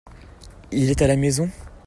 Il est à la maison ?